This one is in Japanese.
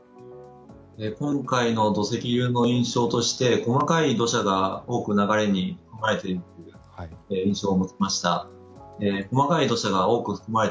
今回の土石流の印象として細かい土砂が多く含まれて土砂が流れている印象を持ちました。